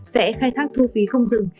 sẽ khai thác thu phí không dừng